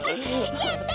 やった！